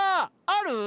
ある？